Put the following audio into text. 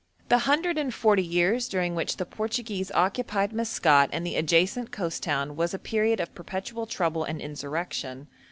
The hundred and forty years during which the Portuguese occupied Maskat and the adjacent coast town was a period of perpetual trouble and insurrection.